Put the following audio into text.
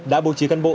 đã bố trí căn bộ